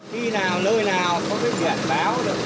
khi nào nơi nào có cái dạng báo đó